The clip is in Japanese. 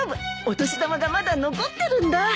お年玉がまだ残ってるんだ。